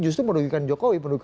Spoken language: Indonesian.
justru merugikan jokowi